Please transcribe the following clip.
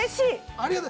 ありがとう！